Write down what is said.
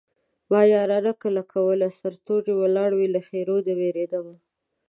ما يارانه کله کوله سرتور ولاړ وې له ښېرو دې وېرېدمه